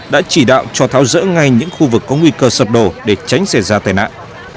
đã chỉ đạo cho tháo rỡ ngay những khu vực có nguy cơ sập đổ để tránh xảy ra tai nạn